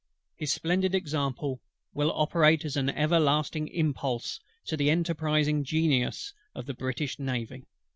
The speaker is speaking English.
His splendid example will operate as an everlasting impulse to the enterprising genius of the British Navy.